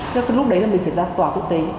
thế cái lúc đấy là mình phải ra tòa quốc tế